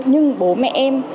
nhưng bố mẹ em